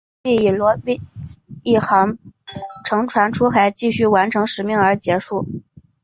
游戏以罗宾一行乘船出海继续完成使命而结束。